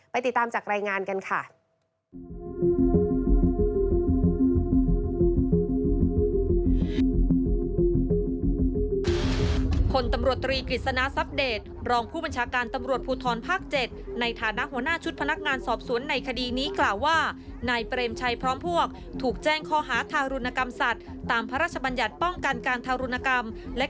ติดตามจากรายงานกันค่ะ